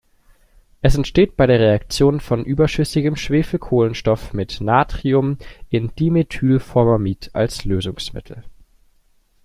Es entsteht bei der Reaktion von überschüssigem Schwefelkohlenstoff mit Natrium in Dimethylformamid als Lösungsmittel.